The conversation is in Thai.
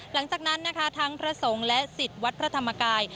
หลังจากนั้นทางพระสงฆ์และศิษย์วัดพระธรรมกาย